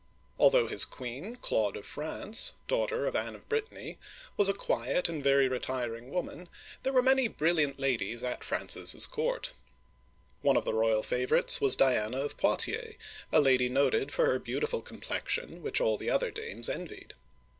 Although his queen — Claude of France, daughter of Anne of Brittany — was a quiet and very retiring woman, there were many brilliant ladies at Francis's court. One of the royal favorites was Dian'a of Poitiers, a lady noted for her beautiful complexion which all the other dames envied.